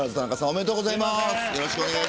おめでとうございます。